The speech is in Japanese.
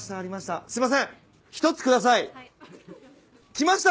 来ました！